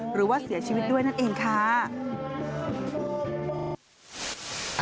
หรือว่าเสียชีวิตด้วยนั่นเองค่ะ